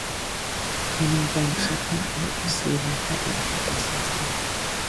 Many dumps are currently exceeding carrying capacity.